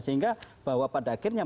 sehingga bahwa pada akhirnya